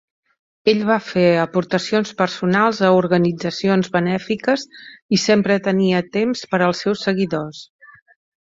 Ell va fer aportacions personals a organitzacions benèfiques i sempre tenia temps per als seus seguidors.